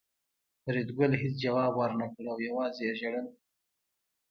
فریدګل هېڅ ځواب ورنکړ او یوازې یې ژړل